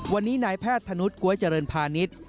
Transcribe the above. วันนี้นายแพทย์ธนุษย์ก๊วยเจริญพาณิชย์